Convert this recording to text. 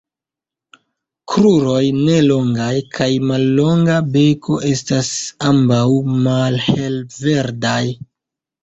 Kruroj -ne longaj- kaj mallonga beko estas ambaŭ malhelverdaj.